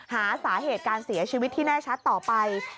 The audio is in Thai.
หาสาเหตุการเสียชีวิตที่แน่ชัดต่อไป